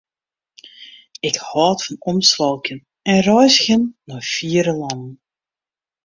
Ik hâld fan omswalkjen en reizgjen nei fiere lannen.